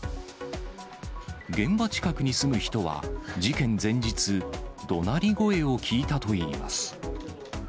現場近くに住む人は、事件前日、どなり声を聞いたといいます。